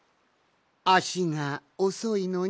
あしがおそいのに？